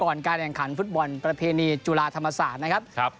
การแข่งขันฟุตบอลประเพณีจุฬาธรรมศาสตร์นะครับ